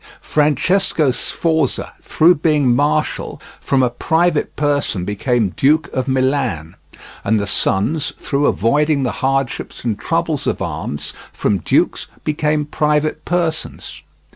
Francesco Sforza, through being martial, from a private person became Duke of Milan; and the sons, through avoiding the hardships and troubles of arms, from dukes became private persons.